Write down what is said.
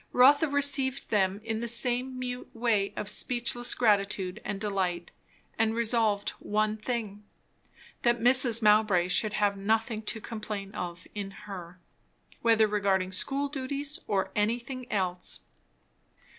Rotha received them in the same mute way of speechless gratitude and delight; and resolved one thing; that Mrs. Mowbray should have nothing to complain of in her, whether regarding school duties or anything else.